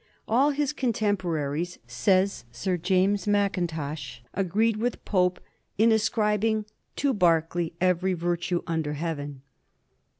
All his contempora ries, says Sir James Mackintosh, agreed with Pope in as cribing "To Berkeley every virtue under heaven.'